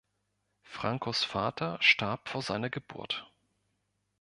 Francos Vater starb vor seiner Geburt.